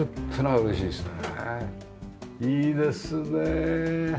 いいですね。